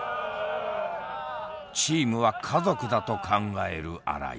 「チームは家族だ」と考える新井。